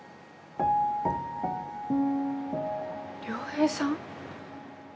亮平さん？